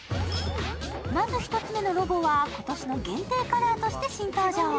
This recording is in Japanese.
まず１つ目のロボは今年の限定カラーとして新登場。